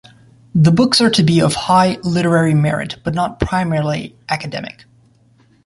The books are to be of high literary merit but not primarily academic.